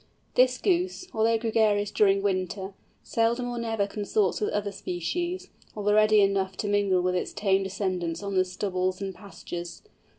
This Goose, although gregarious during winter, seldom or never consorts with other species, although ready enough to mingle with its tame descendants on the stubbles and pastures.